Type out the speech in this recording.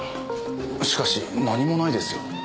しかし何もないですよ。